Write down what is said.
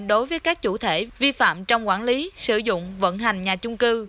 đối với các chủ thể vi phạm trong quản lý sử dụng vận hành nhà chung cư